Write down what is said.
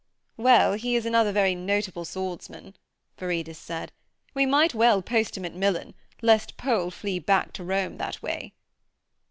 'Well, he is another very notable swordsman,' Viridus said. 'We might well post him at Milan, lest Pole flee back to Rome that way.'